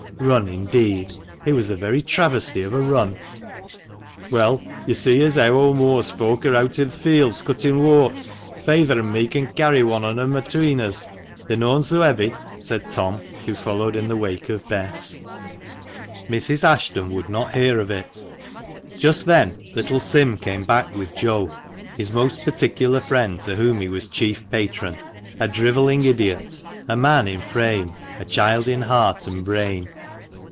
Run, indeed ! It was the very travestie of a run ! "Well, yo' see as heaw o' Moore's folk are eawt i' th' fields cuttin' whoats [oats]. Feyther an' me con carry one on 'em atween us. They're noan so heavy," said Tom, who had followed in the wake of Bess. 332 THB MANCHESTER MAN. Mrs. Ashton would not hear of it. Just then little Sim came back with Joe — his most particular friend, to whom he was chief patron — a drivelling idiot, a man in frame, a child in heart and brain.